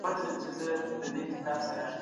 اسلام د کفر او تیارو په وړاندي یو ډال دی.